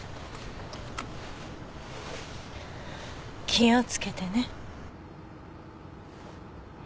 ・・気を付けてね。